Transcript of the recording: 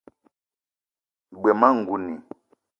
G-beu ma ngouni